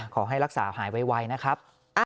ขอให้รักษาหายไวนะครับ